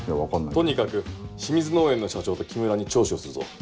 とにかく清水農園の社長と木村に聴取をするぞ。